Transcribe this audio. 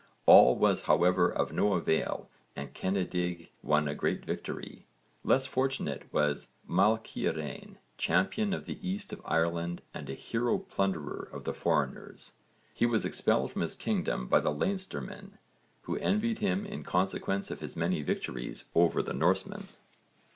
All was however of no avail and Cennedigh won a great victory. Less fortunate was Maelciarain, 'champion of the east of Ireland and a hero plunderer of the foreigners.' He was expelled from his kingdom by the Leinstermen, who envied him in consequence of his many victories over the Norsemen!